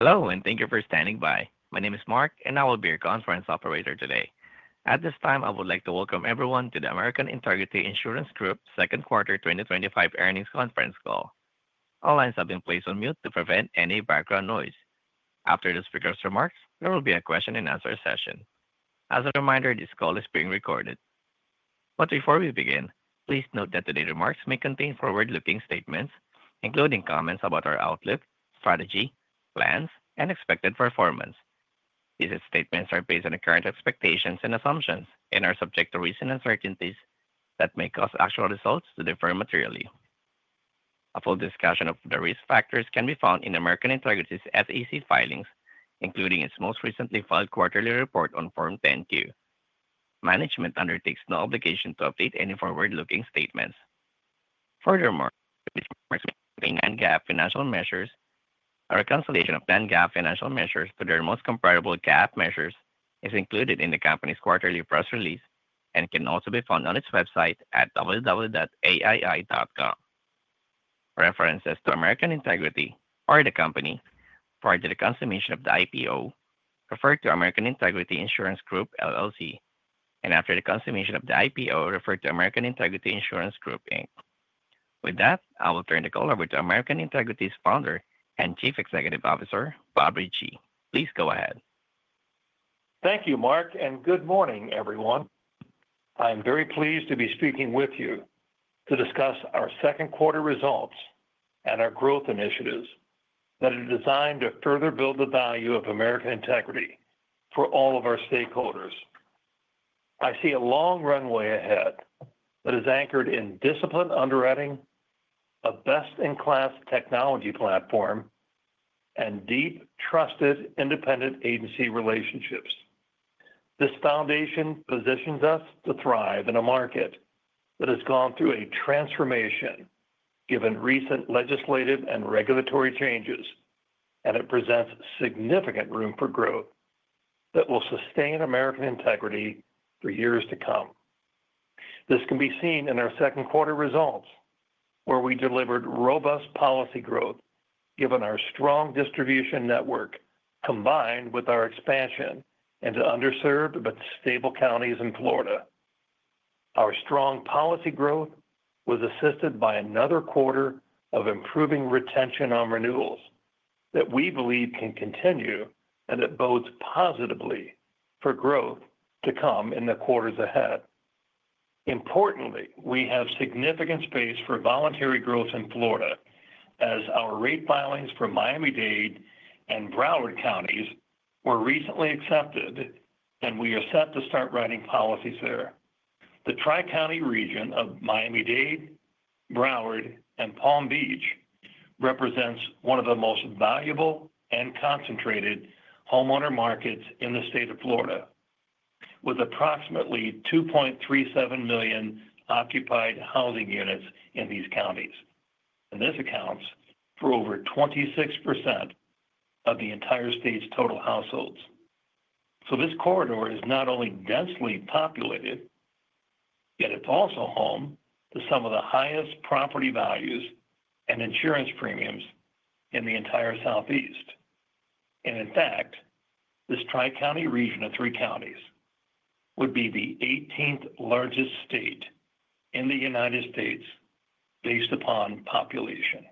Hello, and thank you for standing by. My name is Mark, and I will be your conference operator today. At this time, I would like to welcome everyone to the American Integrity Insurance Group, Inc.'s Second Quarter 2025 Earnings Conference Call. All lines have been placed on mute to prevent any background noise. After the speaker's remarks, there will be a question and answer session. As a reminder, this call is being recorded. Before we begin, please note that today's remarks may contain forward-looking statements, including comments about our outlook, strategy, plans, and expected performance. These statements are based on current expectations and assumptions and are subject to recent uncertainties that may cause actual results to differ materially. A full discussion of the risk factors can be found in American Integrity Insurance Group, Inc.'s SEC filings, including its most recently filed quarterly report on Form 10-Q. Management undertakes no obligation to update any forward-looking statements. Furthermore, the American Integrity Insurance Group, Inc.'s plan GAAP financial measures and a reconciliation of plan GAAP financial measures to their most comparable GAAP measures is included in the company's quarterly press release and can also be found on its website at www.aii.com. References to American Integrity or the company prior to the consummation of the IPO refer to American Integrity Insurance Group, LLC, and after the consummation of the IPO refer to American Integrity Insurance Group, Inc. With that, I will turn the call over to American Integrity Insurance Group, Inc.'s founder and Chief Executive Officer, Bob Ritchie. Please go ahead. Thank you, Mark, and good morning, everyone. I am very pleased to be speaking with you to discuss our second quarter results and our growth initiatives that are designed to further build the value of American Integrity Insurance Group, Inc. for all of our stakeholders. I see a long runway ahead that is anchored in disciplined underwriting, a best-in-class technology platform, and deep, trusted, independent agency relationships. This foundation positions us to thrive in a market that has gone through a transformation given recent legislative and regulatory changes, and it presents significant room for growth that will sustain American Integrity for years to come. This can be seen in our second quarter results, where we delivered robust policy growth given our strong distribution network combined with our expansion into underserved but stable counties in Florida. Our strong policy growth was assisted by another quarter of improving retention on renewals that we believe can continue and that bodes positively for growth to come in the quarters ahead. Importantly, we have significant space for voluntary growth in Florida as our rate filing approvals for Miami-Dade and Broward counties were recently accepted, and we are set to start writing policies there. The Tri-County region of Miami-Dade, Broward, and Palm Beach represents one of the most valuable and concentrated homeowner markets in the state of Florida, with approximately 2.37 million occupied housing units in these counties. This accounts for over 26% of the entire state's total households. This corridor is not only densely populated, it is also home to some of the highest property values and insurance premiums in the entire Southeast. In fact, this Tri-County region of three counties would be the 18th largest state in the United States based upon population.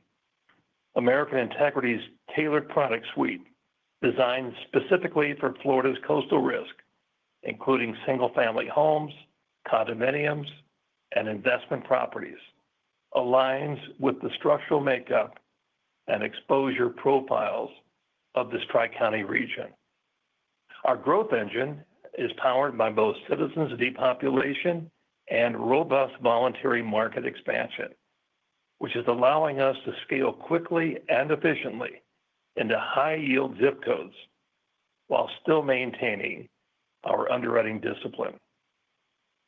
American Integrity's tailored product suite, designed specifically for Florida's coastal risk, including single-family homes, condominiums, and investment properties, aligns with the structural makeup and exposure profiles of this Tri-County region. Our growth engine is powered by both Citizens Property Insurance Corporation's depopulation program and robust voluntary market expansion, which is allowing us to scale quickly and efficiently into high-yield zip codes while still maintaining our underwriting discipline.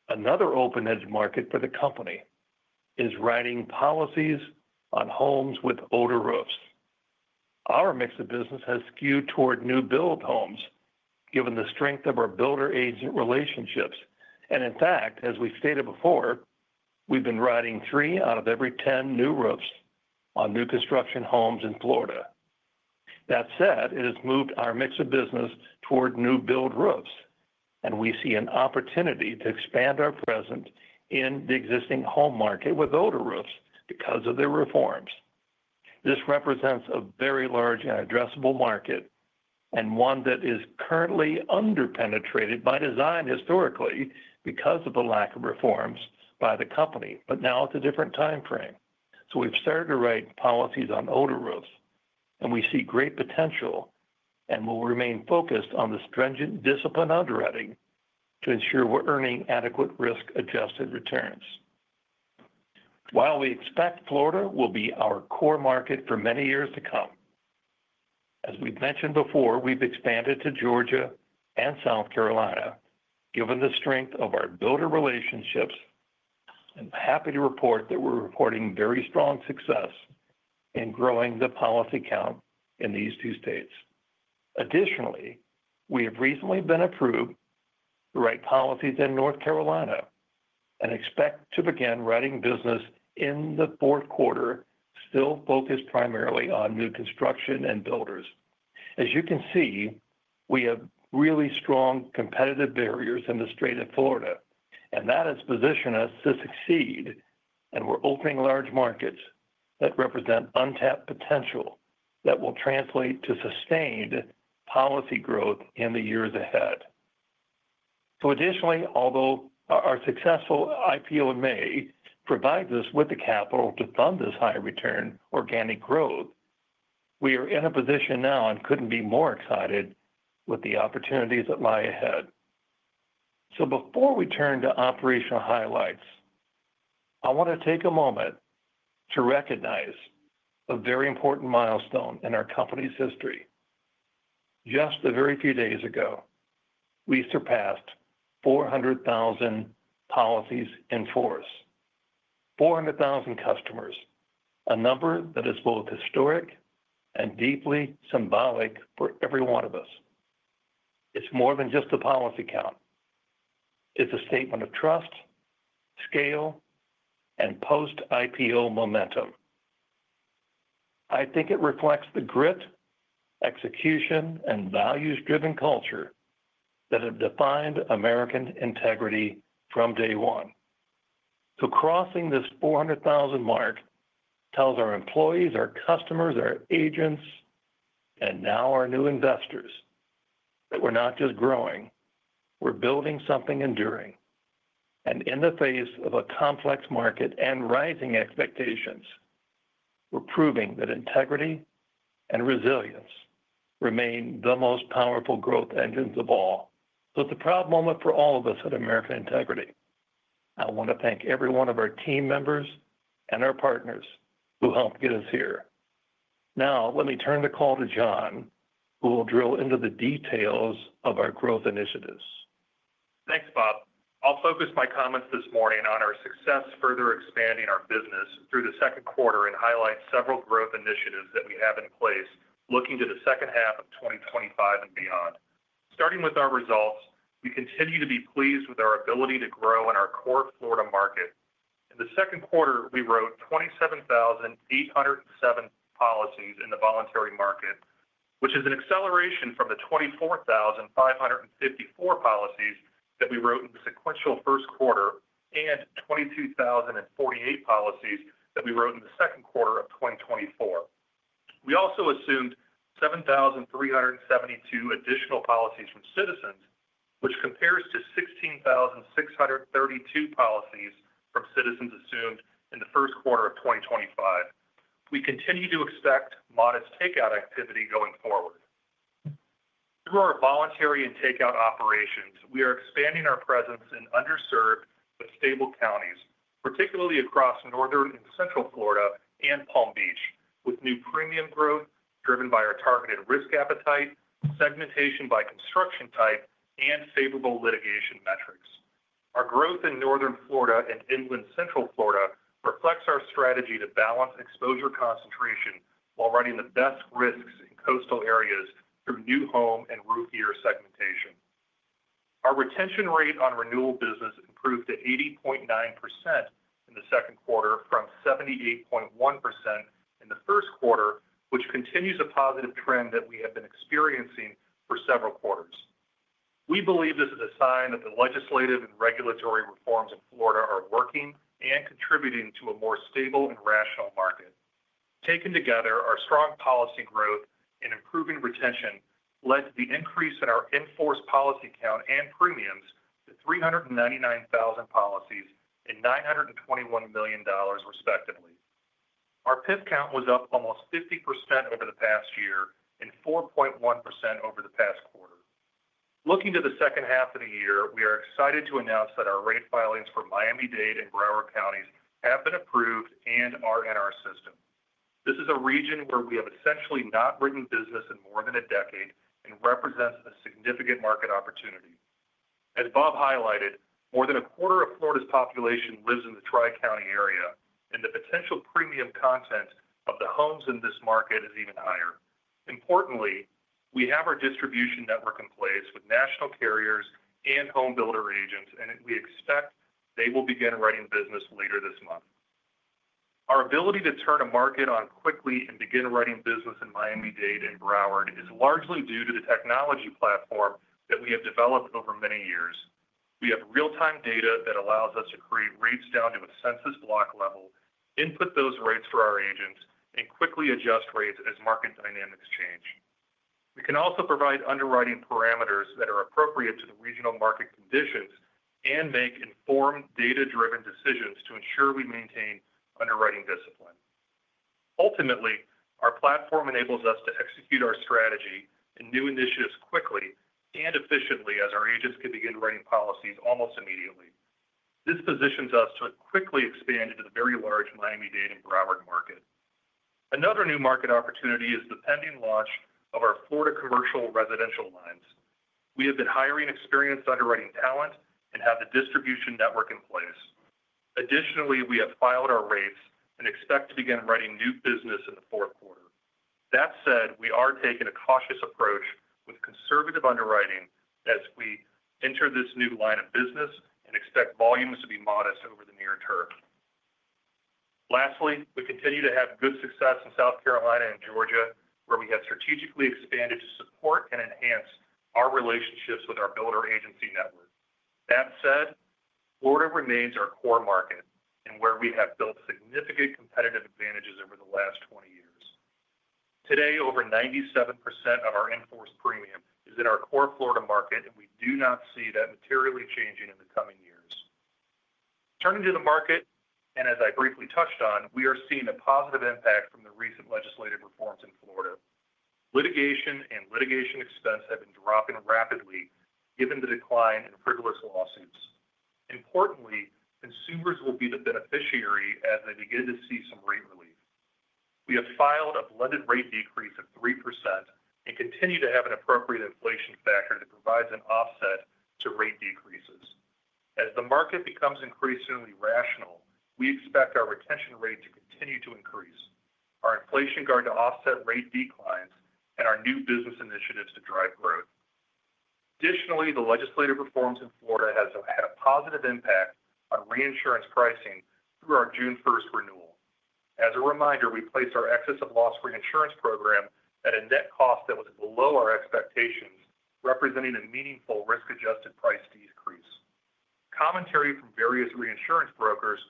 Another open-edge market for the company is writing policies on homes with older roofs. Our mix of business has skewed toward new build homes given the strength of our builder-agent relationships. In fact, as we stated before, we've been writing three out of every 10 new roofs on new construction homes in Florida. That said, it has moved our mix of business toward new build roofs, and we see an opportunity to expand our presence in the existing home market with older roofs because of the reforms. This represents a very large and addressable market and one that is currently underpenetrated by design historically because of the lack of reforms by the company, but now it's a different timeframe. We've started to write policies on older roofs, and we see great potential and will remain focused on the stringent discipline underwriting to ensure we're earning adequate risk-adjusted returns. While we expect Florida will be our core market for many years to come, as we've mentioned before, we've expanded to Georgia and South Carolina given the strength of our builder relationships and I'm happy to report that we're reporting very strong success in growing the policy count in these two states. Additionally, we have recently been approved to write policies in North Carolina and expect to begin writing business in the fourth quarter, still focused primarily on new construction and builders. As you can see, we have really strong competitive barriers in the state of Florida, and that has positioned us to succeed, and we're opening large markets that represent untapped potential that will translate to sustained policy growth in the years ahead. Additionally, although our successful IPO in May provides us with the capital to fund this high-return organic growth, we are in a position now and couldn't be more excited with the opportunities that lie ahead. Before we turn to operational highlights, I want to take a moment to recognize a very important milestone in our company's history. Just a very few days ago, we surpassed 400,000 policies in force, 400,000 customers, a number that is both historic and deeply symbolic for every one of us. It's more than just a policy count; it's a statement of trust, scale, and post-IPO momentum. I think it reflects the grit, execution, and values-driven culture that have defined American Integrity from day one. Crossing this 400,000 mark tells our employees, our customers, our agents, and now our new investors that we're not just growing, we're building something enduring. In the face of a complex market and rising expectations, we're proving that integrity and resilience remain the most powerful growth engines of all. It is a proud moment for all of us at American Integrity Insurance Group. I want to thank every one of our team members and our partners who helped get us here. Now, let me turn the call to Jon, who will drill into the details of our growth initiatives. Thanks, Bob. I'll focus my comments this morning on our success further expanding our business through the second quarter and highlight several growth initiatives that we have in place, looking to the second half of 2025 and beyond. Starting with our results, we continue to be pleased with our ability to grow in our core Florida market. In the second quarter, we wrote 27,807 policies in the voluntary market, which is an acceleration from the 24,554 policies that we wrote in the sequential first quarter and 22,048 policies that we wrote in the second quarter of 2024. We also assumed 7,372 additional policies from Citizens Property Insurance Corporation, which compares to 16,632 policies from Citizens Property Insurance Corporation assumed in the first quarter of 2025. We continue to expect modest takeout activity going forward. Through our voluntary and takeout operations, we are expanding our presence in underserved but stable counties, particularly across northern and central Florida and Palm Beach, with new premium growth driven by our targeted risk appetite, segmentation by construction type, and favorable litigation metrics. Our growth in northern Florida and inland central Florida reflects our strategy to balance exposure concentration while writing the best risks in coastal areas through new home and roof year segmentation. Our retention rate on renewal business improved to 80.9% in the second quarter from 78.1% in the first quarter, which continues a positive trend that we have been experiencing for several quarters. We believe this is a sign that the legislative and regulatory reforms in Florida are working and contributing to a more stable and rational market. Taken together, our strong policy growth and improving retention led to the increase in our in-force policy count and premiums to 399,000 policies and $921 million, respectively. Our PIF count was up almost 50% over the past year and 4.1% over the past quarter. Looking to the second half of the year, we are excited to announce that our rate filings for Miami-Dade and Broward counties have been approved and are in our system. This is a region where we have essentially not written business in more than a decade and represents a significant market opportunity. As Bob highlighted, more than a quarter of Florida's population lives in the Tri-County area, and the potential premium content of the homes in this market is even higher. Importantly, we have our distribution network in place with national carriers and home builder agents, and we expect they will begin writing business later this month. Our ability to turn a market on quickly and begin writing business in Miami-Dade and Broward is largely due to the technology platform that we have developed over many years. We have real-time data that allows us to create rates down to a census block level, input those rates for our agents, and quickly adjust rates as market dynamics change. We can also provide underwriting parameters that are appropriate to the regional market conditions and make informed, data-driven decisions to ensure we maintain underwriting discipline. Ultimately, our platform enables us to execute our strategy and new initiatives quickly and efficiently as our agents can begin writing policies almost immediately. This positions us to quickly expand into the very large Miami-Dade and Broward market. Another new market opportunity is the pending launch of our Florida commercial residential lines. We have been hiring experienced underwriting talent and have the distribution network in place. Additionally, we have filed our rates and expect to begin writing new business in the fourth quarter. That said, we are taking a cautious approach with conservative underwriting as we enter this new line of business and expect volumes to be modest over the near term. Lastly, we continue to have good success in South Carolina and Georgia, where we have strategically expanded to support and enhance our relationships with our builder agency network. That said, Florida remains our core market and where we have built significant competitive advantages over the last 20 years. Today, over 97% of our in-force premium is in our core Florida market, and we do not see that materially changing in the coming years. Turning to the market, and as I briefly touched on, we are seeing a positive impact from the recent legislative reforms in Florida. Litigation and litigation expense have been dropping rapidly given the decline in frivolous lawsuits. Importantly, consumers will be the beneficiary as they begin to see some rate relief. We have filed a blended rate decrease of 3% and continue to have an appropriate inflation factor that provides an offset to rate decreases. As the market becomes increasingly rational, we expect our retention rate to continue to increase, our inflation guard to offset rate declines, and our new business initiatives to drive growth. Additionally, the legislative reforms in Florida have had a positive impact on reinsurance pricing through our June 1st renewal. As a reminder, we placed our excess of loss reinsurance program at a net cost that was below our expectations, representing a meaningful risk-adjusted price decrease. Commentary from various reinsurance brokers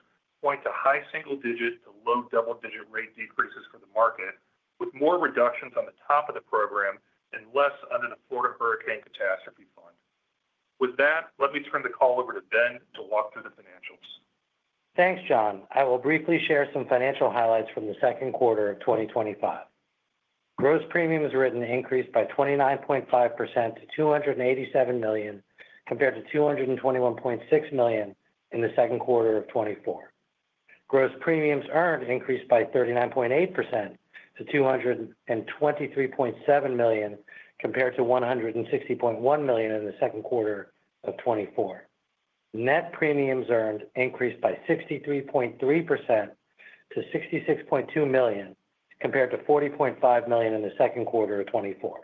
points to high single-digit to low double-digit rate decreases for the market, with more reductions on the top of the program and less under the Florida Hurricane Catastrophe Fund. With that, let me turn the call over to Ben to walk through the financials. Thanks, Jon. I will briefly share some financial highlights from the second quarter of 2025. Gross premiums written increased by 29.5% to $287 million compared to $221.6 million in the second quarter of 2024. Gross premiums earned increased by 39.8% to $223.7 million compared to $160.1 million in the second quarter of 2024. Net premiums earned increased by 63.3% to $66.2 million compared to $40.5 million in the second quarter of 2024.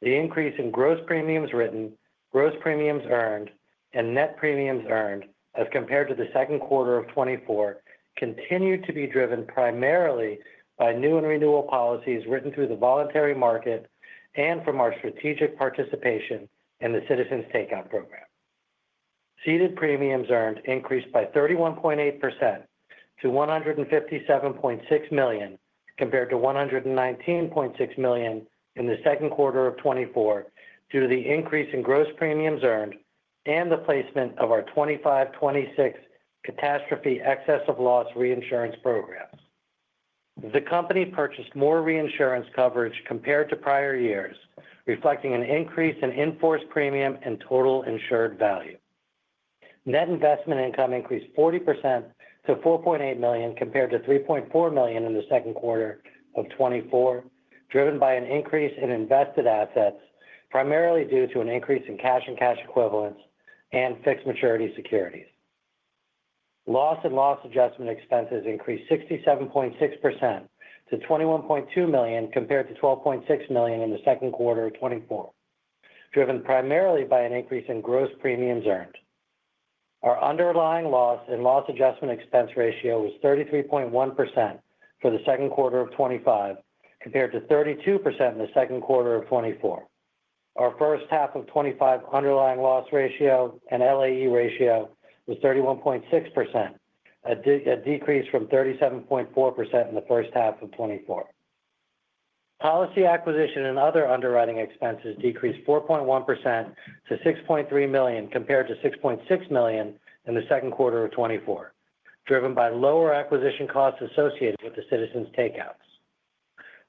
The increase in gross premiums written, gross premiums earned, and net premiums earned as compared to the second quarter of 2024 continued to be driven primarily by new and renewal policies written through the voluntary market and from our strategic participation in the Citizens Property Insurance Corporation takeout program. Ceded premiums earned increased by 31.8% to $157.6 million compared to $119.6 million in the second quarter of 2024 due to the increase in gross premiums earned and the placement of our 2025/2026 catastrophe excess of loss reinsurance programs. The company purchased more reinsurance coverage compared to prior years, reflecting an increase in in-force premium and total insured value. Net investment income increased 40% to $4.8 million compared to $3.4 million in the second quarter of 2024, driven by an increase in invested assets, primarily due to an increase in cash and cash equivalents and fixed maturity securities. Loss and loss adjustment expenses increased 67.6% to $21.2 million compared to $12.6 million in the second quarter of 2024, driven primarily by an increase in gross premiums earned. Our underlying loss and loss adjustment expense ratio was 33.1% for the second quarter of 2025 compared to 32% in the second quarter of 2024. Our first half of 2025 underlying loss ratio and LAE ratio was 31.6%, a decrease from 37.4% in the first half of 2024. Policy acquisition and other underwriting expenses decreased 4.1% to $6.3 million compared to $6.6 million in the second quarter of 2024, driven by lower acquisition costs associated with the Citizens takeouts.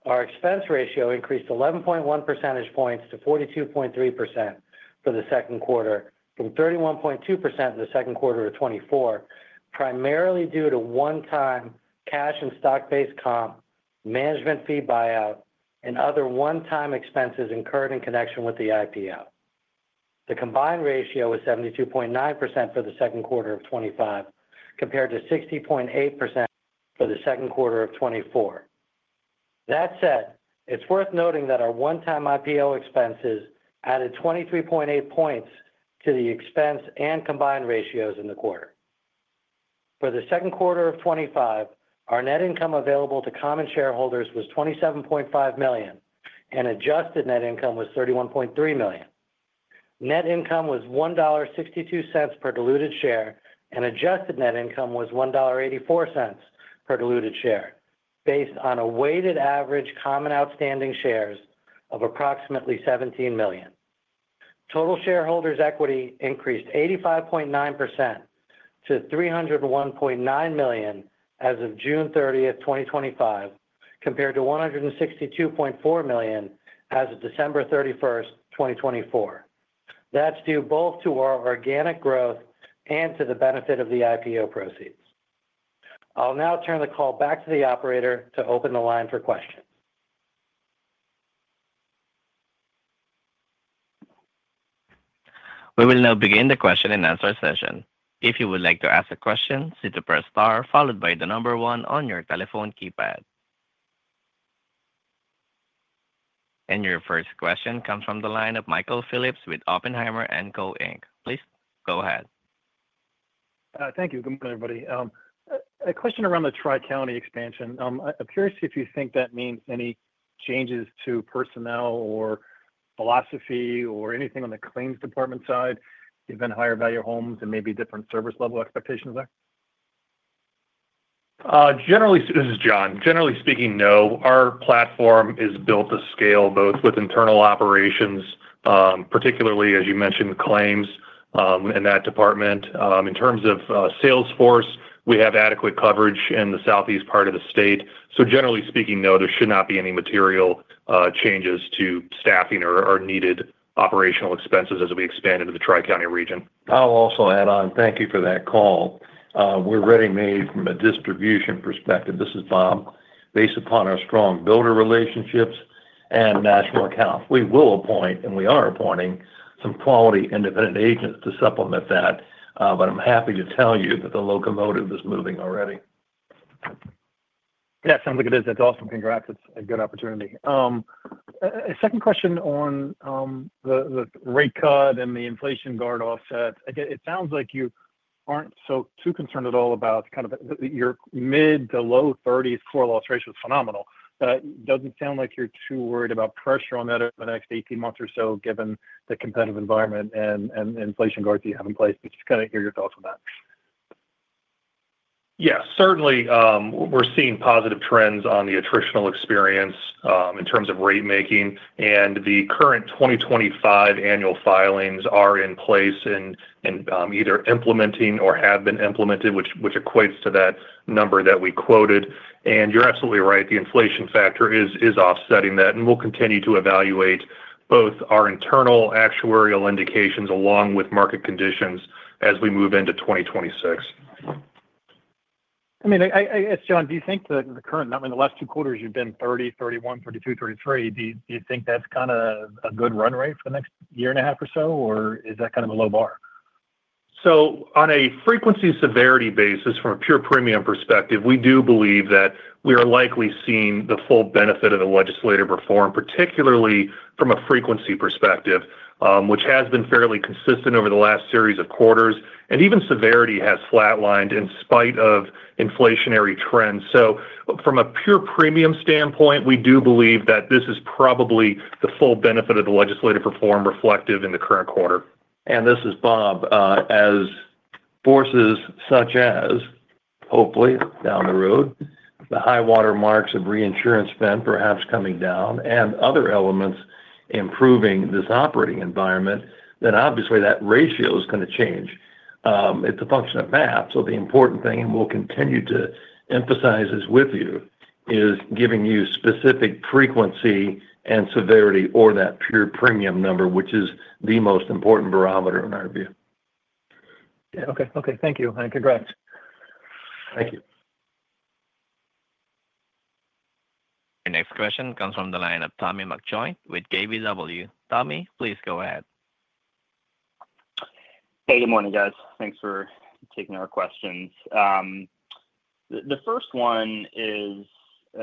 Our expense ratio increased 11.1 percentage points to 42.3% for the second quarter, from 31.2% in the second quarter of 2024, primarily due to one-time cash and stock-based comp, management fee buyout, and other one-time expenses incurred in connection with the IPO. The combined ratio was 72.9% for the second quarter of 2025 compared to 60.8% for the second quarter of 2024. It's worth noting that our one-time IPO expenses added 23.8 points to the expense and combined ratios in the quarter. For the second quarter of 2025, our net income available to common shareholders was $27.5 million, and adjusted net income was $31.3 million. Net income was $1.62 per diluted share, and adjusted net income was $1.84 per diluted share based on a weighted average common outstanding shares of approximately 17 million. Total shareholders' equity increased 85.9% to $301.9 million as of June 30th, 2025, compared to $162.4 million as of December 31, 2024. That's due both to our organic growth and to the benefit of the IPO proceeds. I'll now turn the call back to the operator to open the line for questions. We will now begin the question and answer session. If you would like to ask a question, press the star key followed by the number one on your telephone keypad. Your first question comes from the line of Michael Phillips with Oppenheimer & Co. Inc. Please go ahead. Thank you. Good morning, everybody. A question around the Tri-County expansion. I'm curious if you think that means any changes to personnel or philosophy or anything on the claims department side, given higher value homes and maybe different service level expectations there? Generally, this is Jon. Generally speaking, no. Our platform is built to scale both with internal operations, particularly, as you mentioned, claims in that department. In terms of sales force, we have adequate coverage in the southeast part of the state. Generally speaking, no, there should not be any material changes to staffing or needed operational expenses as we expand into the Tri-County region. I'll also add on, thank you for that call. We're ready made from a distribution perspective. This is Bob. Based upon our strong builder relationships and national accounts, we will appoint, and we are appointing some quality independent agents to supplement that. I'm happy to tell you that the locomotive is moving already. Yeah, it sounds like it is. That's awesome. Congrats. It's a good opportunity. A second question on the rate cut and the inflation guard offset. Again, it sounds like you aren't too concerned at all about kind of your mid to low 30% core loss ratio is phenomenal. Does it sound like you're too worried about pressure on that over the next 18 months or so, given the competitive environment and inflation guards that you have in place? Just kind of hear your thoughts on that. Yeah, certainly we're seeing positive trends on the attritional experience in terms of rate making, and the current 2025 annual filings are in place and either implementing or have been implemented, which equates to that number that we quoted. You're absolutely right. The inflation factor is offsetting that, and we'll continue to evaluate both our internal actuarial indications along with market conditions as we move into 2026. Jon, do you think that in the current, the last two quarters you've been 30, 31, 32, 33, do you think that's kind of a good run rate for the next year and a half or so, or is that kind of a low bar? On a frequency and severity basis, from a pure premium perspective, we do believe that we are likely seeing the full benefit of the legislative reform, particularly from a frequency perspective, which has been fairly consistent over the last series of quarters, and even severity has flatlined in spite of inflationary trends. From a pure premium standpoint, we do believe that this is probably the full benefit of the legislative reform reflective in the current quarter. This is Bob. As forces such as, hopefully down the road, the high water marks of reinsurance spend perhaps coming down and other elements improving this operating environment, obviously that ratio is going to change. It's a function of math. The important thing, and we'll continue to emphasize this with you, is giving you specific frequency and severity or that pure premium number, which is the most important barometer in our view. Okay. Thank you, and congrats. Thank you. The next question comes from the line of Tommy McJoynt with KBW. Tommy, please go ahead. Hey, good morning, guys. Thanks for taking our questions. The first one is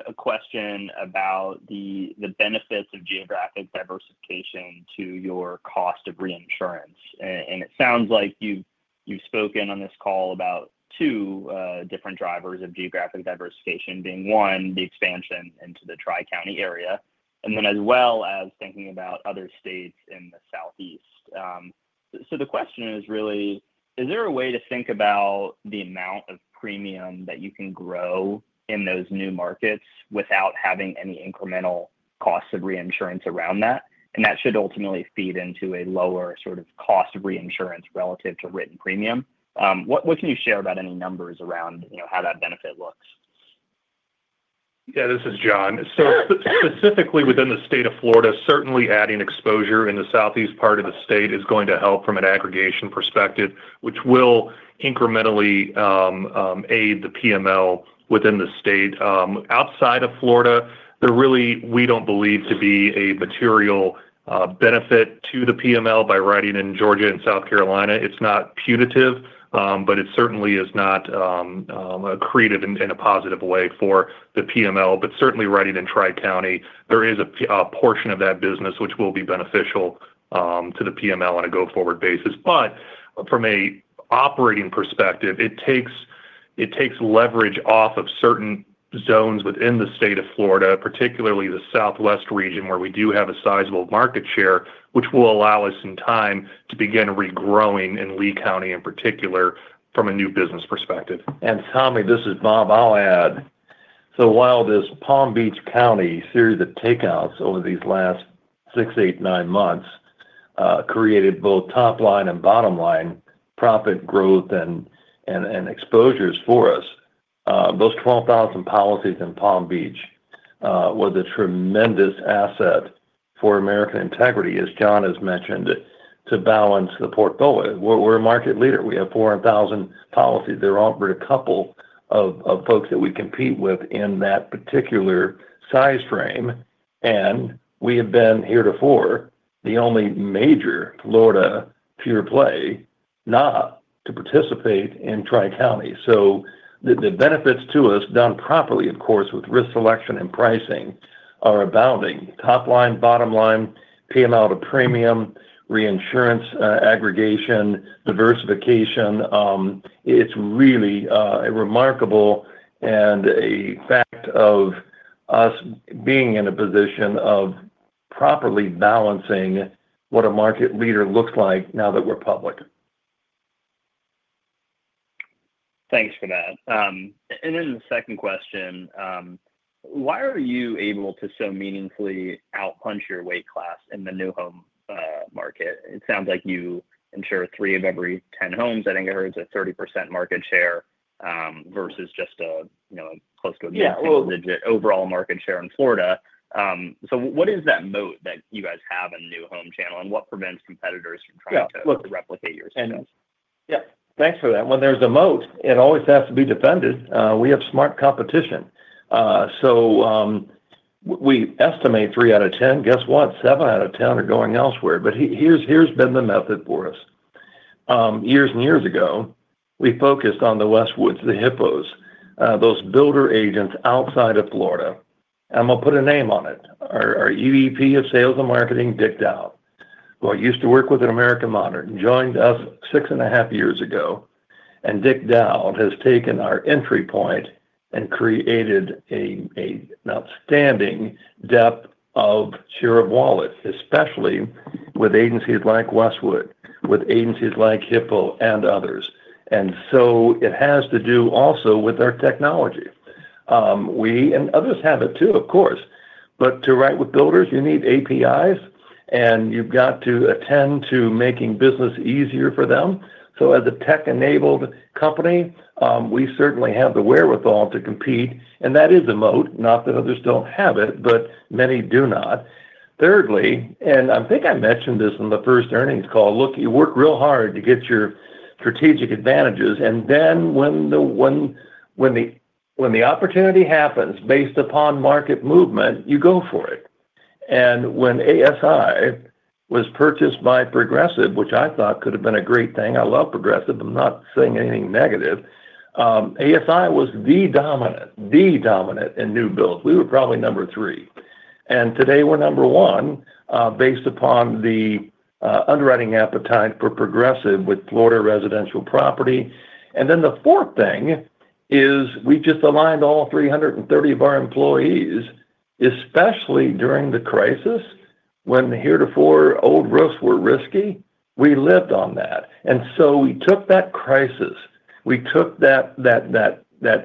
a question about the benefits of geographic diversification to your cost of reinsurance. It sounds like you've spoken on this call about two different drivers of geographic diversification being one, the expansion into the Tri-County area, as well as thinking about other states in the Southeast. The question is really, is there a way to think about the amount of premium that you can grow in those new markets without having any incremental cost of reinsurance around that? That should ultimately feed into a lower sort of cost of reinsurance relative to written premium. What can you share about any numbers around how that benefit looks? Yeah, this is Jon. Specifically within the state of Florida, certainly adding exposure in the southeast part of the state is going to help from an aggregation perspective, which will incrementally aid the PML within the state. Outside of Florida, we don't believe there to be a material benefit to the PML by writing in Georgia and South Carolina. It's not punitive, but it certainly is not accretive in a positive way for the PML. Certainly, writing in Tri-County, there is a portion of that business which will be beneficial to the PML on a go-forward basis. From an operating perspective, it takes leverage off of certain zones within the state of Florida, particularly the southwest region where we do have a sizable market share, which will allow us some time to begin regrowing in Lee County in particular from a new business perspective. Tommy, this is Bob. I'll add. While this Palm Beach County series of takeouts over these last six, eight, nine months created both top line and bottom line profit growth and exposures for us, those 12,000 policies in Palm Beach were the tremendous asset for American Integrity Insurance Group, as Jon has mentioned, to balance the portfolio. We're a market leader. We have 400,000 policies. There aren't but a couple of folks that we compete with in that particular size frame. We have been heretofore the only major Florida pure play not to participate in Tri-County. The benefits to us, done properly, of course, with risk selection and pricing, are abounding. Top line, bottom line, PML to premium, reinsurance, aggregation, diversification. It's really a remarkable and a fact of us being in a position of properly balancing what a market leader looks like now that we're public. Thanks for that. The second question, why are you able to so meaningfully outhunt your weight class in the new home market? It sounds like you insure three of every 10 homes at Englehurst at 30% market share versus just a close to a multi-digit overall market share in Florida. What is that moat that you guys have in the new home channel and what prevents competitors from trying to replicate your channels? Yeah, thanks for that. When there's a moat, it always has to be defended. We have smart competition. We estimate three out of ten. Guess what? Seven out of ten are going elsewhere. Here's been the method for us. Years and years ago, we focused on the Westwoods, the Hippos, those builder agents outside of Florida. I'm going to put a name on it. Our EVP of Sales and Marketing, Dick Dowd, who I used to work with at American Modern, joined us six and a half years ago. Dick Dowd has taken our entry point and created an outstanding depth of share of wallet, especially with agencies like Westwood, with agencies like Hippo and others. It has to do also with our technology. We and others have it too, of course. To write with builders, you need APIs, and you have to attend to making business easier for them. As a tech-enabled company, we certainly have the wherewithal to compete. That is a moat, not that others do not have it, but many do not. Thirdly, I think I mentioned this in the first earnings call, you work real hard to get your strategic advantages. When the opportunity happens based upon market movement, you go for it. When ASI was purchased by Progressive, which I thought could have been a great thing, I love Progressive, I'm not saying anything negative, ASI was the dominant, the dominant in new builds. We were probably number three. Today we're number one based upon the underwriting appetite for Progressive with Florida residential property. The fourth thing is we just aligned all 330 of our employees, especially during the crisis when heretofore old roofs were risky. We lived on that. We took that crisis, we took that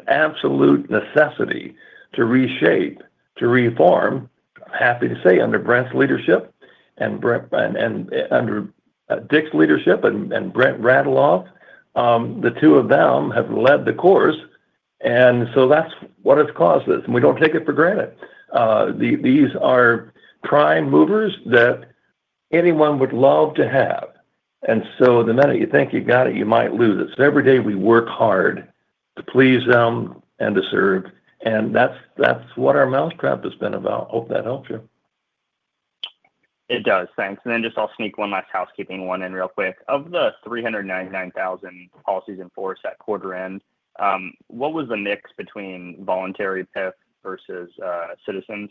absolute necessity to reshape, to reform. Happy to say under Brent's leadership and under Dick's leadership and Brent Radeloff, the two of them have led the course. That's what has caused this. We don't take it for granted. These are prime movers that anyone would love to have. The minute you think you got it, you might lose it. Every day we work hard to please them and to serve. That's what our mousetrap has been about. Hope that helps you. It does, thanks. I'll sneak one last housekeeping one in real quick. Of the 399,000 policies in force at quarter end, what was the mix between voluntary PIF versus Citizens?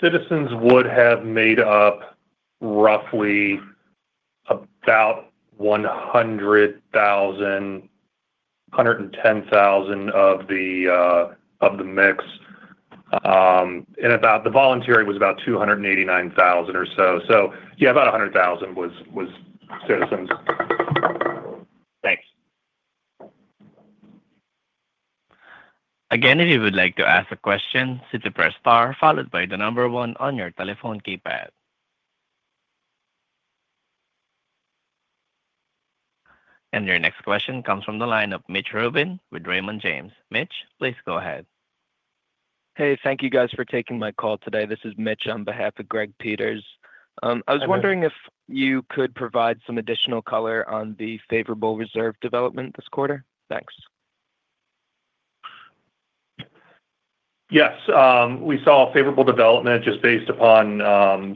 Citizens would have made up roughly about 100,000, 110,000 of the mix. About the voluntary was about 289,000 or so. Yeah, about 100,000 was Citizens. If you would like to ask a question, see the first star followed by the number one on your telephone keypad. Your next question comes from the line of Mitch Rubin with Raymond James. Mitch, please go ahead. Thank you guys for taking my call today. This is Mitch on behalf of Greg Peters. I was wondering if you could provide some additional color on the favorable reserve development this quarter. Thanks. Yes, we saw favorable development just based upon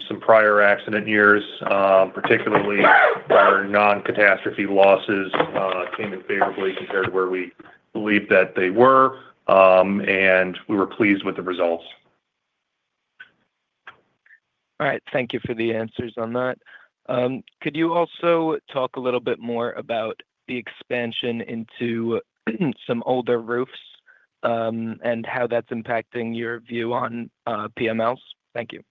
some prior accident years, particularly our non-catastrophe losses came in favorably compared to where we believed that they were. We were pleased with the results. All right, thank you for the answers on that. Could you also talk a little bit more about the expansion into some older roofs and how that's impacting your view on PMLs? Thank you.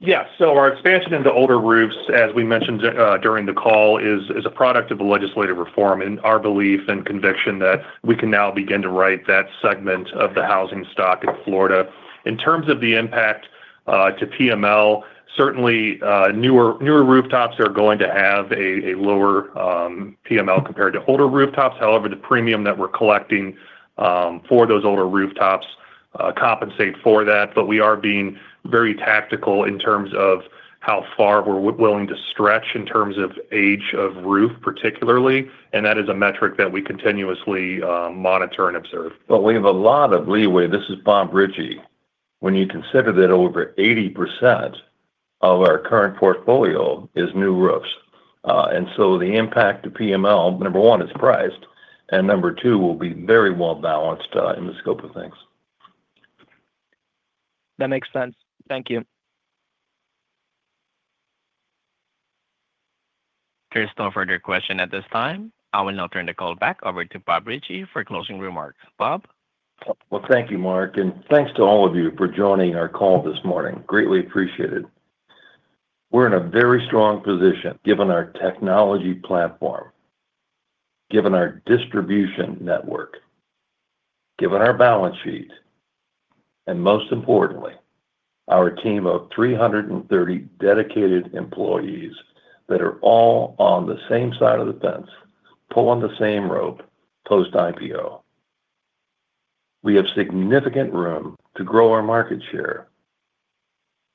Yeah, our expansion into older roofs, as we mentioned during the call, is a product of the legislative reform and our belief and conviction that we can now begin to write that segment of the housing stock in Florida. In terms of the impact to PML, certainly newer rooftops are going to have a lower PML compared to older rooftops. However, the premium that we're collecting for those older rooftops compensates for that. We are being very tactical in terms of how far we're willing to stretch in terms of age of roof particularly. That is a metric that we continuously monitor and observe. We have a lot of leeway. This is Bob Ritchie. When you consider that over 80% of our current portfolio is new roofs, the impact to PML, number one, is priced, and number two, we'll be very well balanced in the scope of things. That makes sense. Thank you. Just don't forget your question at this time. I will now turn the call back over to Bob Ritchie for closing remarks. Bob? Thank you, Mark. Thanks to all of you for joining our call this morning. Greatly appreciated. We're in a very strong position given our technology platform, given our distribution network, given our balance sheet, and most importantly, our team of 330 dedicated employees that are all on the same side of the fence, pulling the same rope post-IPO. We have significant room to grow our market share.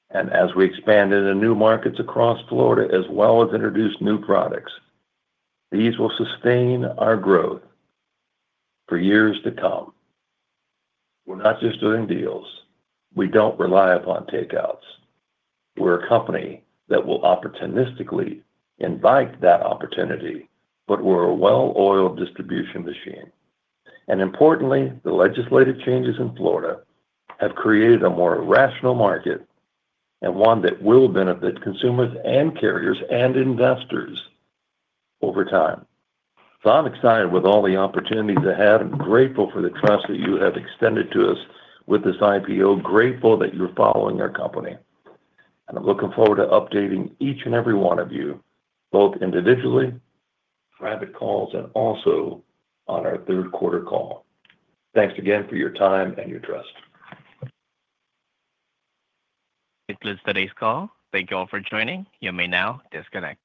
As we expand into new markets across Florida, as well as introduce new products, these will sustain our growth for years to come. We're not just doing deals. We don't rely upon takeouts. We're a company that will opportunistically invite that opportunity, but we're a well-oiled distribution machine. Importantly, the legislative changes in Florida have created a more rational market and one that will benefit consumers and carriers and investors over time. I'm excited with all the opportunities ahead. I'm grateful for the trust that you have extended to us with this IPO. Grateful that you're following our company. I'm looking forward to updating each and every one of you, both individually, private calls, and also on our third quarter call. Thanks again for your time and your trust. This is today's call. Thank you all for joining. You may now disconnect.